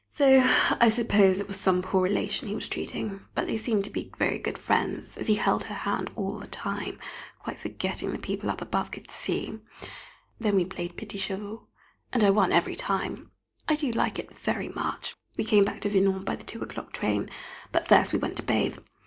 So I suppose it was some poor relation he was treating, but they seemed very good friends, as he held her hand all the time, quite forgetting the people up above could see. Then we played "Petits Chevaux," and I won every time; I do like it very much. [Sidenote: A Bathing Party] We came back to Vinant by the two o'clock train, but first we went to bathe.